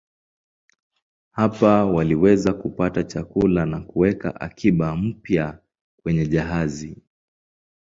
Hapa waliweza kupata chakula na kuweka akiba mpya kwenye jahazi.